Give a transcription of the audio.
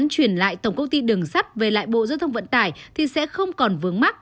chuyển lại tổng công ty đường sắt về lại bộ giao thông vận tải thì sẽ không còn vướng mắt